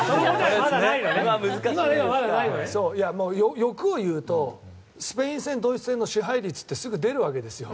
欲を言うとスペイン戦、ドイツ戦の支配率ってすぐ出るわけですよ。